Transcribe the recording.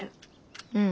うん。